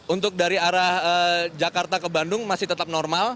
untuk dari arah jakarta ke bandung masih tetap normal